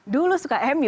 dulu suka mu